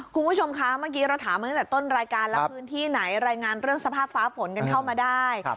คุณผู้ชมคะเมื่อกี้เราถามมาตั้งแต่ต้นรายการแล้วพื้นที่ไหนรายงานเรื่องสภาพฟ้าฝนกันเข้ามาได้